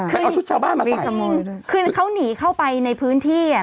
ไปเอาชุดชาวบ้านมาใส่คือเขาหนีเข้าไปในพื้นที่